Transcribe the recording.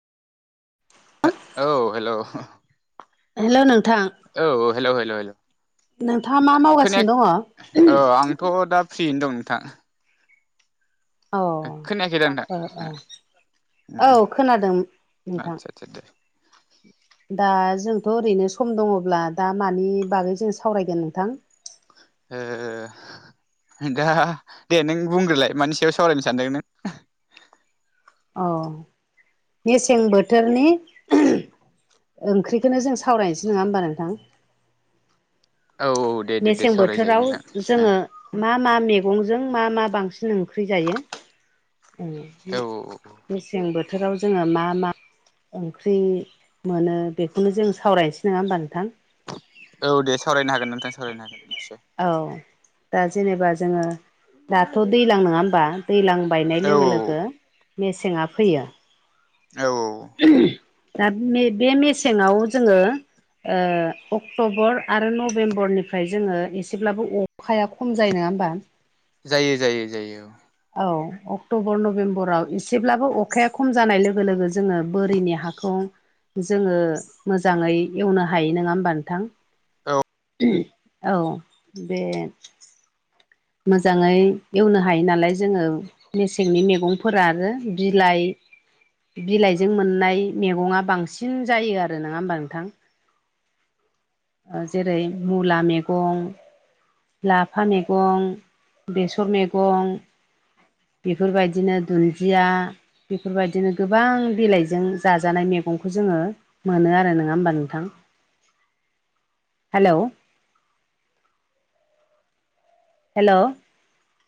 औ hello hello नोंथां औ हेलौ हेल हेल नोंथाङा मा खोना- मावगासिनो दङ? ओ आंथ' दा फ्रियैनो दं नोंथां औ खोनायाखै दा ओ ओ नोंथां औ खोनादों नोंथां आदसा आदसा दे दा जोंथ' ओरैनो सम दङब्ला दा मानि बागै जों सावरायगोन नोंथां ओ दा दे नों बुंग्रोलाय मानि सायाव सावरायनो सानदों नों औ मेसें बोथोरनि ओंख्रिखौनो जों सावरायनोसै नङा होमबा नोंथां औ दे दे दे मेसें सावरायजायो बोथोराव नोंथां जोङो मा मा मैगंजों मा मा बांसिन ओंख्रि जायो औ मेसें बोथोराव जोङो मा मा ओंख्रि मोनो बेखौनो जों सावरायनोसै नङा होमबा नोंथां? औ दे सावरायनो हागोन नोंथां सावरायनो हागोन निस्यय। औ दा जेनेबा जोङो दाथ' दैलां नङा होनबा दैलां बायनाय औ लोगो लोगो मेसेंआ फैयो। औ दा बे मेसेङाव जोङो ओ अक्ट'बर आरो नभेम्बरनिफ्राय जोङो एसेब्लाबो अखाया खम जायो नङा होमबा? जायो जायो जायो औ औ अक्ट'बर नभेम्बराव एसेब्लाबो अखाया खम जानाय लोगो लोगो जोङो बोरिनि हाखौ जोङो मोजाङै एवनो हायो नङा होमबा नोंथां? औ औ बे मोजाङै एवनो हायो नालाय जोङो मेसेंनि मैगंफोर आरो बिलाइ बिलाइजों मोननाय मैगङा बांसिन जायो आरो नङा होमबा नोंथां? ओ जेरै मुला मैगं लाफा मैगं बेसर मैगं बेफोरबायदिनो दुनदिया बेफोरबायदिनो गोबां बिलाइजों जाजानाय मैगंखौ जोङो मोनो आरो नङा होमबा नोंथां हेलौ हेलौ